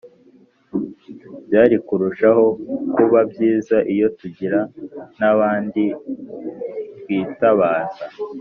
Byari kurushaho kuba byiza iyo tugira n'abandi twitabaza